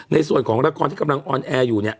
ในส่วนของละครที่กำลังออนแอร์อยู่เนี่ย